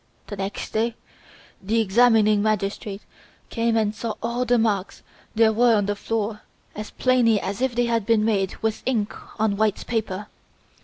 The next day, the examining magistrate came and saw all the marks there were on the floor as plainly as if they had been made with ink on white paper.